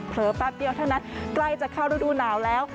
แป๊บเดียวเท่านั้นใกล้จะเข้ารูดูหนาวแล้ว